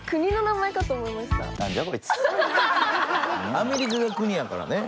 アメリカが国やからね。